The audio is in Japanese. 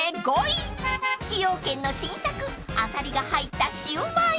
［崎陽軒の新作あさりが入ったシウマイ］